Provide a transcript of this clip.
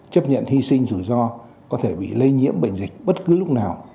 chấp nhận hy sinh rủi ro có thể bị lây nhiễm bệnh dịch bất cứ lúc nào